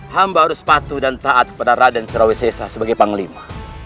hamba harus patuh dan taat kepada raden surawesesa sebagai panglima